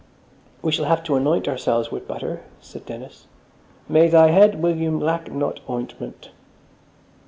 "We shall have to anoint ourselves with butter," said Dennis. "May thy head, William, lack not ointment."